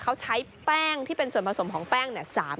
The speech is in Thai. เขาใช้แป้งที่เป็นส่วนผสมของแป้งเนี่ย